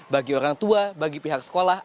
bagi orang tua bagi pihak sekolah